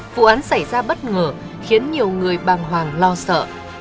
vụ án xảy ra bất ngờ khiến nhiều người bàng hoàng lo sợ